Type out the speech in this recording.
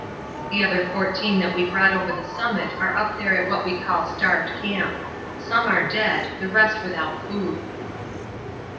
The other fourteen that we brought over the summit are up there at what we call Starved Camp. Some are dead, the rest without food."